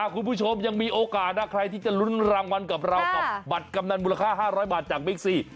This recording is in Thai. คุณผู้ชมยังมีโอกาสนะใครที่จะลุ้นรางวัลกับเรากับบัตรกำนันมูลค่า๕๐๐บาทจากบิ๊กซี